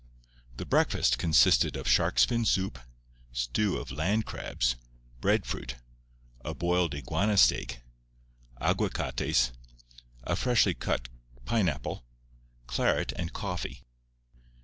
The breakfast consisted of shark's fin soup, stew of land crabs, breadfruit, a boiled iguana steak, aguacates, a freshly cut pineapple, claret and coffee.